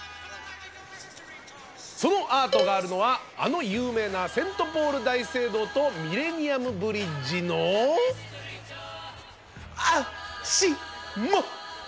そのアートがあるのはあの有名なセント・ポール大聖堂とミレニアム・ブリッジのあしもと！